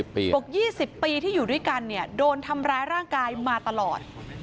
บอก๒๐ปีที่อยู่ด้วยกันเนี่ยโดนทำร้ายร่างกายมาตลอด